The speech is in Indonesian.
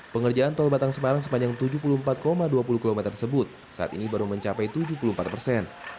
pengerjaan tol batang semarang sepanjang tujuh puluh empat dua puluh km tersebut saat ini baru mencapai tujuh puluh empat persen